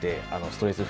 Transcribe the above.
ストレス